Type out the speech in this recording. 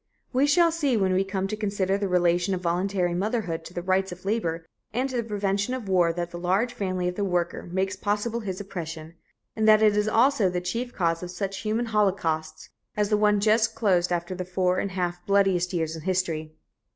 We shall see when we come to consider the relation of voluntary motherhood to the rights of labor and to the prevention of war that the large family of the worker makes possible his oppression, and that it also is the chief cause of such human holocausts as the one just closed after the four and a half bloodiest years in history.